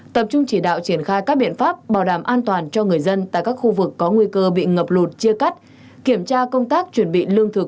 tập trung chỉ đạo triển khai các biện pháp bảo đảm an toàn cho người dân tại các khu vực có nguy cơ bị ngập lụt chia cắt kiểm tra công tác chuẩn bị lương thực